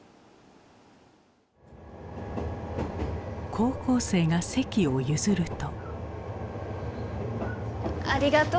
高校生が席を譲ると。